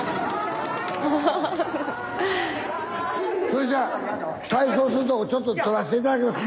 それじゃあ体操するとこちょっと撮らして頂きます。